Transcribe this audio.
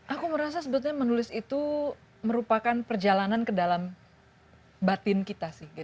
aku merasa sebetulnya menulis itu merupakan perjalanan ke dalam batin kita sih